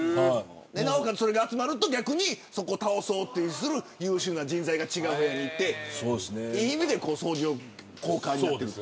なおかつ、そうやって集まると逆に倒そうとする優秀な人材が違う部屋にいていい意味で相乗効果になってる。